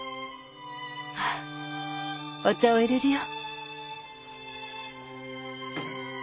お茶をいれるよ。